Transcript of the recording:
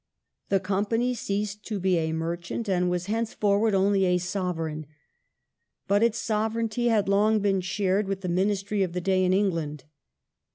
The Company ceased to be a Merchant, and was henceforward only a Sovereign. But its sovereignty had long been shared with the Ministry of the day in England.